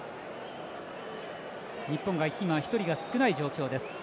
日本が今、１人少ない状況です。